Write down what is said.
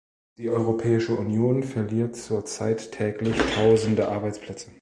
Die Europäische Union verliert zur Zeit täglich tausend Arbeitsplätze.